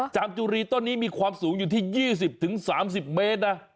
จุรีต้นนี้มีความสูงอยู่ที่๒๐๓๐เมตรนะ